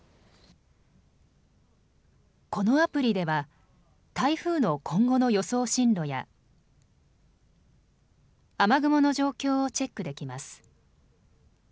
このアプリでは台風の今後の予想進路や雨雲の状況をチェックできます。